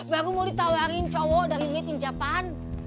baru mau ditawarin cowok dari metin japan